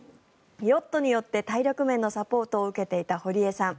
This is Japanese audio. ヨットによって体力面のサポートを受けていた堀江さん。